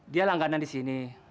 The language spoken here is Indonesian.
dia langganan di sini